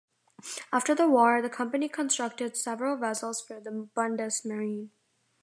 After the war the company constructed several vessels for the Bundesmarine.